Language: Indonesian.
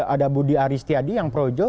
ada budi aristiadi yang projo